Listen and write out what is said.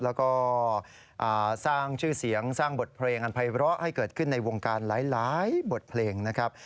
แล้วก็สร้างชื่อเสียงสร้างบทเพลงอันภัยร้อให้เกิดขึ้นในวงการหลายบทเพลงนะครับ